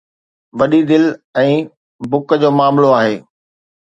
وڏي دل ۽ بُک جو معاملو آهي.